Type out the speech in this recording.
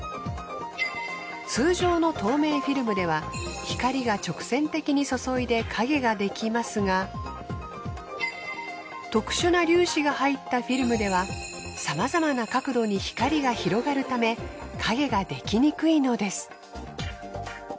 通常の透明フィルムでは光が直線的にそそいで影が出来ますが特殊な粒子が入ったフィルムではさまざまな角度に光が広がるため影が出来にくいのです。